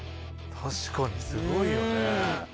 確かにすごいよね。